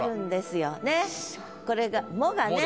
これが「も」がね。